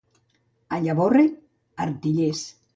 A Llavorre, artillers.